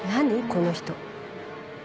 この人。